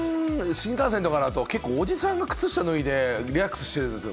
新幹線とかだと、おじさんが靴下脱いでリラックスしてるんですよ。